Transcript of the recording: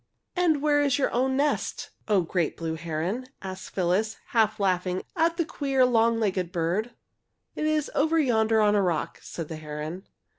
"And where is your own nest, O Great Blue Heron?" asked Phyllis, half laughing at the queer, long legged bird. "It is over yonder on a rock," said the heron.